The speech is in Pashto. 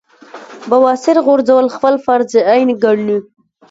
بواسير غورزول خپل فرض عېن ګڼي -